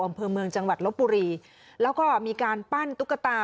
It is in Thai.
อำเภอเมืองจังหวัดลบบุรีแล้วก็มีการปั้นตุ๊กตา